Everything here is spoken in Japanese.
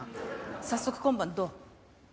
早速今晩どう？